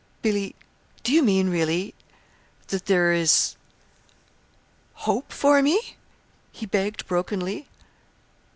"Billy, do you mean, really, that there is hope for me?" he begged brokenly.